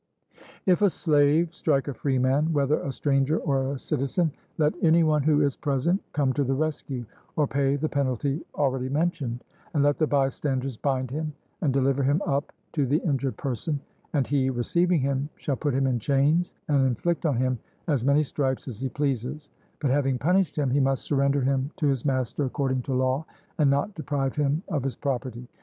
If a slave strike a freeman, whether a stranger or a citizen, let any one who is present come to the rescue, or pay the penalty already mentioned; and let the bystanders bind him, and deliver him up to the injured person, and he receiving him shall put him in chains, and inflict on him as many stripes as he pleases; but having punished him he must surrender him to his master according to law, and not deprive him of his property.